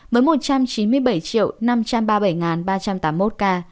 với một trăm chín mươi bảy năm trăm ba mươi bảy ca tử vong